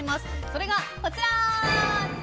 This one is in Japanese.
それがこちら。